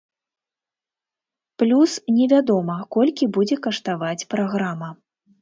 Плюс, не вядома, колькі будзе каштаваць праграма.